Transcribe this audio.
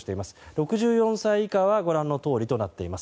６４歳以下はご覧のとおりとなっています。